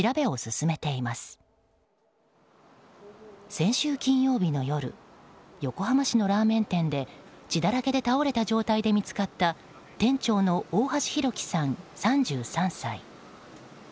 先週金曜日の夜横浜市のラーメン店で血だらけで倒れた状態で見つかった店長の大橋弘輝さん、３３歳。